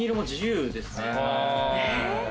髪色自由ですね。